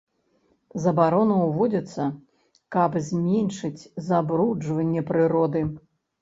Забарона ўводзіцца, каб зменшыць забруджванне прыроды.